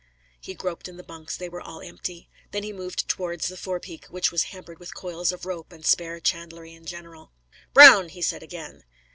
He groped in the bunks: they were all empty. Then he moved towards the forepeak, which was hampered with coils of rope and spare chandlery in general. "Brown!" he said again.